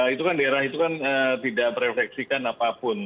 itu kan daerah itu kan tidak merefleksikan apapun